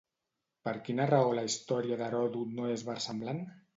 Per quina raó la història d'Heròdot no és versemblant?